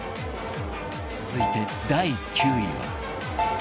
続いて第９位は